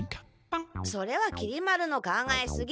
それはきり丸の考えすぎ。